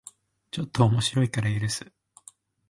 ちょっと面白いから許す